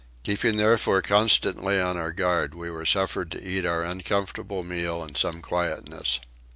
Keeping therefore constantly on our guard we were suffered to eat our uncomfortable meal in some quietness.